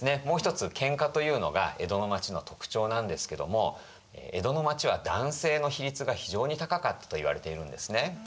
もう一つ喧嘩というのが江戸の町の特徴なんですけども江戸の町は男性の比率が非常に高かったといわれているんですね。